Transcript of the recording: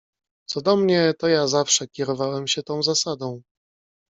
"Co do mnie, to ja zawsze kierowałem się tą zasadą."